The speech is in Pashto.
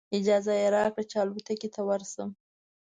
اجازه یې راکړه چې الوتکې ته ورشم.